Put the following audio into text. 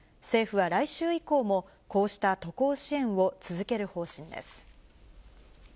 政府は来週以降も、こうした渡航支援を続ける方針です。